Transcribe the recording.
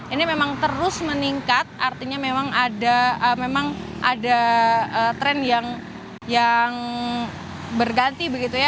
ini memang terus meningkat artinya memang ada tren yang berganti begitu ya